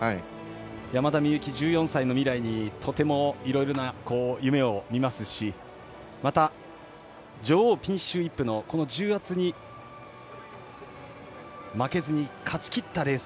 山田美幸、１４歳の未来にとてもいろいろな夢を見ますしまた女王ピンシュー・イップの重圧に負けずに勝ちきったレース。